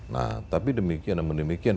nah tapi demikian sama demikian